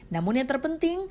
namun yang terpenting